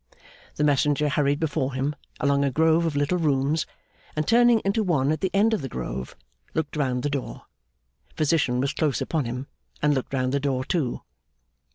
The messenger hurried before him, along a grove of little rooms, and turning into one at the end of the grove, looked round the door. Physician was close upon him, and looked round the door too.